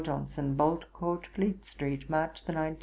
JOHNSON.' 'Bolt court, Fleet street, March 20, 1782.'